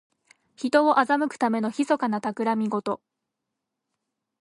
人を欺くためのひそかなたくらみごと。